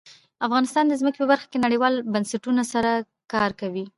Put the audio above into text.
افغانستان د ځمکه په برخه کې نړیوالو بنسټونو سره کار کوي.